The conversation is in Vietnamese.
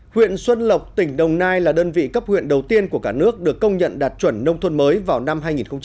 huyện xuân lộc tỉnh đồng nai là đơn vị cấp huyện đầu tiên của cả nước được công nhận đạt chuẩn nông thôn mới vào năm hai nghìn một mươi năm